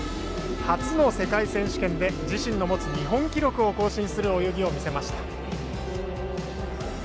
初の世界選手権で自身の持つ日本記録を更新する泳ぎを見せました。